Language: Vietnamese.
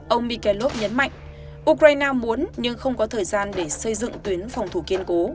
ông mikellov nhấn mạnh ukraine muốn nhưng không có thời gian để xây dựng tuyến phòng thủ kiên cố